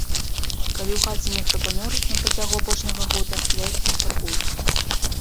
Калі ў хаце нехта памёр на працягу апошняга года, яйкі не фарбуюць.